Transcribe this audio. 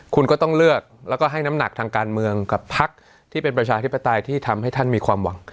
คุณก็ต้องเลือกแล้วก็ให้น้ำหนักทางการเมืองกับพักที่เป็นประชาธิปไตยที่ทำให้ท่านมีความหวัง